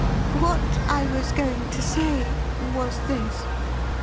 ' What I was going to say was this.'